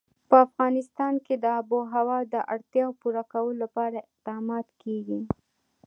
په افغانستان کې د آب وهوا د اړتیاوو پوره کولو لپاره اقدامات کېږي.